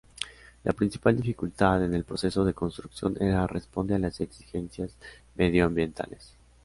La principal dificultad en el proceso de construcción era responde a las exigencias medioambientales.